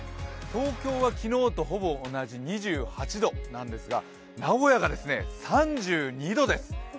東京は昨日とほぼ同じ２８度なんですが、名古屋がですね３２度です。